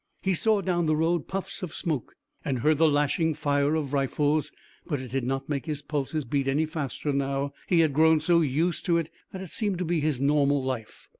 He saw down the road puffs of smoke and heard the lashing fire of rifles, but it did not make his pulses beat any faster now. He had grown so used to it that it seemed to be his normal life.